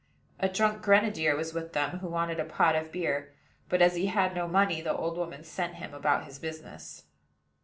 A drunken grenadier was with them, who wanted a pot of beer; but as he had no money, the old woman sent him about his business.